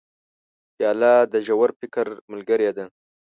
پیاله د ژور فکر ملګرې ده.